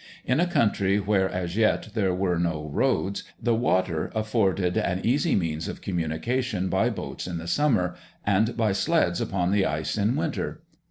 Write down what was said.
In a country, where as yet there were no roads, the water afforded an easy means of communication by boats in the summer, and by sleds upon the ice in winter.